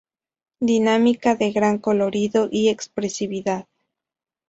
Dinámica de gran colorido y expresividad.